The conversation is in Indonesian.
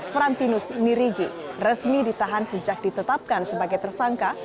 frantinus nirigi resmi ditahan sejak ditetapkan sebagai tersangka